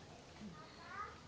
sakit hati dulu